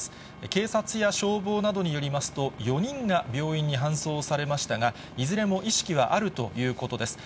警察や消防などによりますと、４人が病院に搬送されましたが、いずれも意識はあるということです。